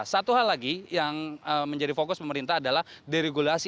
satu hal lagi yang menjadi fokus pemerintah adalah deregulasi